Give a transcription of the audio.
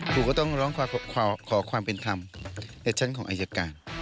ครูก็ต้องร้องขอความเป็นธรรมในชั้นของอายการ